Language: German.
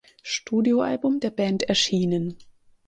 Studioalbum der Band erschienen.